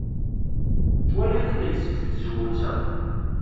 Tettwalid ilel seg tzewwut-a.